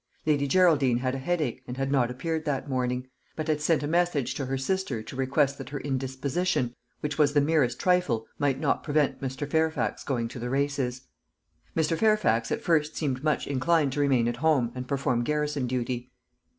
Lady Geraldine had a headache, and had not appeared that morning; but had sent a message to her sister, to request that her indisposition, which was the merest trifle, might not prevent Mr. Fairfax going to the races. Mr. Fairfax at first seemed much inclined to remain at home, and perform garrison duty.